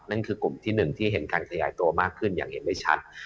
นั่นคือกลุ่มที่๑ที่เห็นการขยายตัวมากขึ้นอย่างเห็นได้ชัด